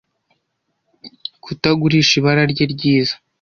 kutagurisha ibara rye ryiza